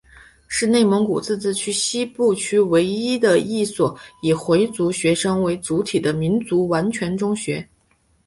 是内蒙古自治区西部区唯一的一所以回族学生为主体的民族完全中学。